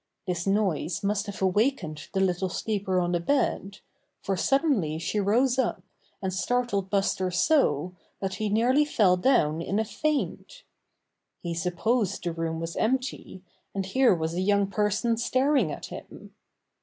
This noise must have awakened the little sleeper on the bed, for suddenly she rose up and startled Buster so that he nearly fell down in a faint. He supposed the room was empty, and here was a young person staring at him.